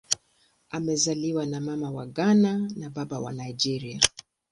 Amezaliwa na Mama wa Ghana na Baba wa Nigeria.